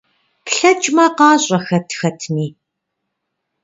ПлъэкӀмэ, къащӀэ хэт хэтми!